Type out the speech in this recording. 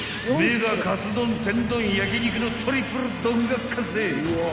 カツ丼天丼焼肉のトリプル丼が完成］